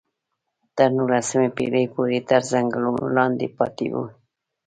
تر نولسمې پېړۍ پورې تر ځنګلونو لاندې پاتې وو.